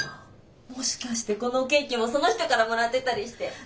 もしかしてこのケーキもその人からもらってたりして。